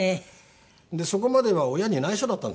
そこまでは親に内緒だったんで全部。